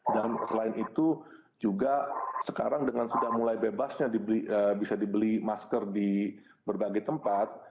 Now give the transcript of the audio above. dan selain itu juga sekarang dengan sudah mulai bebasnya bisa dibeli masker di berbagai tempat